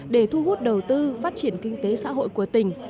để thu hút đầu tư phát triển kinh tế xã hội của tỉnh